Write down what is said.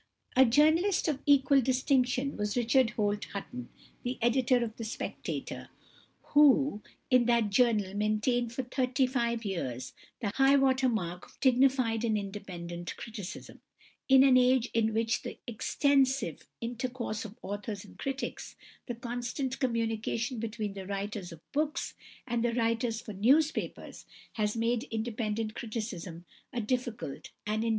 A journalist of equal distinction was =Richard Holt Hutton (1826 1897)=, the editor of the Spectator, who in that journal maintained for thirty five years the high water mark of dignified and independent criticism, in an age in which the extensive intercourse of authors and critics, the constant communication between the writers of books and the writers for newspapers, has made independent criticism a difficult, and, indeed, almost impossible achievement.